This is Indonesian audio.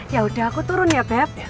ya udah aku turun ya bed